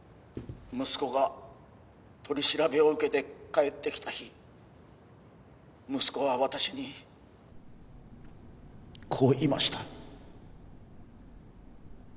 「息子が取り調べを受けて帰ってきた日息子は私にこう言いました」